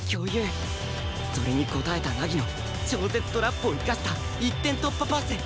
それに応えた凪の超絶トラップを生かした一点突破パス